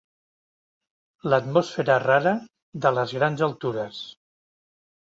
L'atmosfera rara de les grans altures.